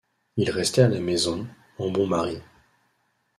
Il restait à la maison, en bon mari.